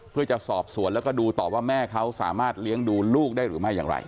เพื่อจะสอบสวนแล้วก็ดูต่อว่าแม่เขาสามารถเลี้ยงดูลูกได้หรือไม่อย่างไร